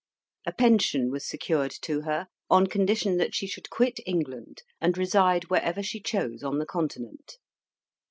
A pension was secured to her, on condition that she should quit England, and reside wherever she chose on the Continent.